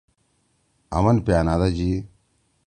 آمن پیانادا جی۔